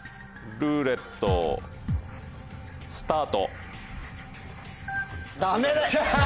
ルーレットスタート。